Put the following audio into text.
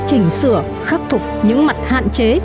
chỉnh sửa khắc phục những mặt hạn chế